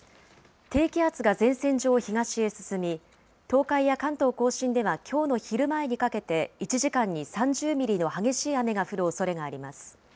低気圧が前線上を東へ進み、東海や関東甲信ではきょうの昼前にかけて、１時間に３０ミリの激しい雨が降るおそれがあります。